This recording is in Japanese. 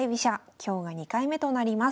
今日が２回目となります。